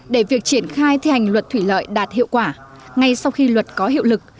để việc triển khai thi hành luật thủy lợi đạt hiệu quả ngay sau khi luật có hiệu lực